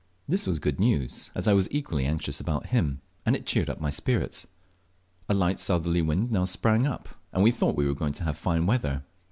This was good news, as I was equally anxious about him, and it cheered up my spirits. A light southerly wind now sprung up, and we thought we were going to have fine weather.